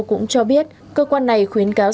cũng cho biết cơ quan này khuyến cáo